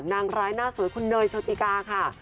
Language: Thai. นางร้ายหน้าสวยคุณเนยโชติกาค่ะ